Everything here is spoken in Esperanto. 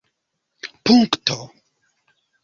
Punkto.